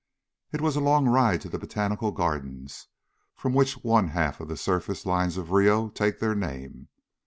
It is a long ride to the Botanical Gardens, from which one half the surface lines of Rio take their name.